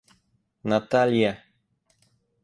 Наталья